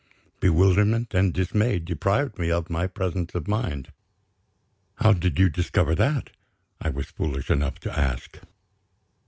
Bewilderment and dismay deprived me of my presence of mind. "How did you discover that?" I was foolish enough to ask.